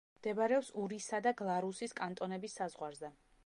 მდებარეობს ურისა და გლარუსის კანტონების საზღვარზე.